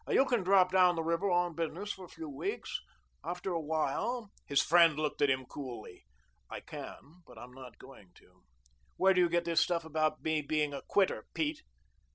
"You can drop down the river on business for a few weeks. After a while " His friend looked at him coolly. "I can, but I'm not going to. Where do you get this stuff about me being a quitter, Pete?"